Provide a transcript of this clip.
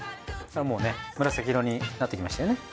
もうね紫色になってきましたよね。